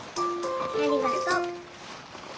ありがとう。